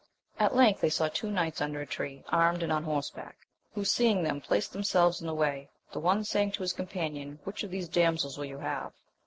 At length they saw two knights under a tree, armed and on horseback, who seeing them placed themselves in the way, the one saying to his companion, which of these damsels will you have?